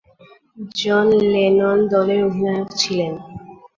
জন Lennon দলের অধিনায়ক ছিলেন।